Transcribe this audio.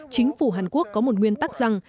chính phủ hàn quốc có một nguyên tắc rằng